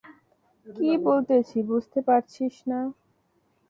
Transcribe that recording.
কী বলতেছি বুঝতে পারছিস না?